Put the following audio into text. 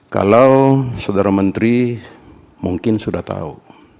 kalau saudara menteri mungkin sudah tahu